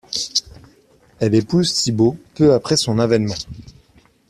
Elle épouse Thibaut peu après son avènement.